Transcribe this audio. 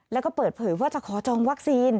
แล้วก็เปิดเผยว่าจะขอจองวัคซีน